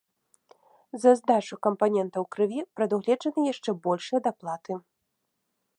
За здачу кампанентаў крыві прадугледжаны яшчэ большыя даплаты.